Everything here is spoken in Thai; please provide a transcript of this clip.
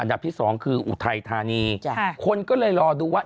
ที่สองคืออุทัยธานีคนก็เลยรอดูว่า